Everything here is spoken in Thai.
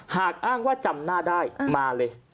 หากอ้างว่าจำหน้าได้มาเลย